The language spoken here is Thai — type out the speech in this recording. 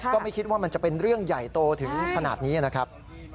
ก็ไม่คิดว่ามันจะเป็นเรื่องใหญ่โตถึงขนาดนี้นะครับ